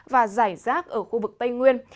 và giải rác ở khu vực tây nguyên